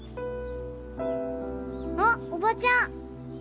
あっおばちゃん。